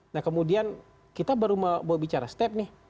nah kemudian kita baru mau bicara step nih